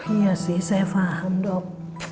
iya sih saya paham dok